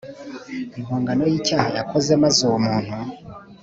impongano y icyaha yakoze maze uwo muntu